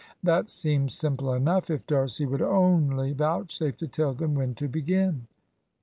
That seemed simple enough, if D'Arcy would only vouchsafe to tell them when to begin.